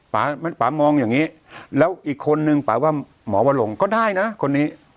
ป่าป่ามองอย่างนี้แล้วอีกคนนึงป่าว่าหมอลงก็ได้นะคนนี้